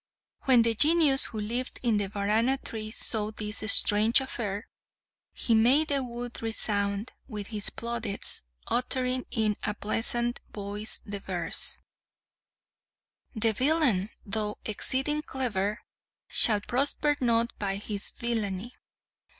When the Genius who lived in the Varana tree saw this strange affair, he made the wood resound with his plaudits, uttering in a pleasant voice the verse: "The villain, though exceeding clever, Shall prosper not by his villainy.